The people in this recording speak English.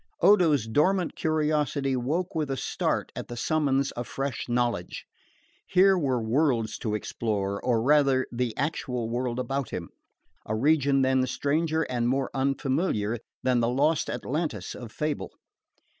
Odo's dormant curiosity woke with a start at the summons of fresh knowledge. Here were worlds to explore, or rather the actual world about him, a region then stranger and more unfamiliar than the lost Atlantis of fable.